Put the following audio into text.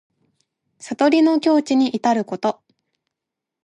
悟りの境地にいたること。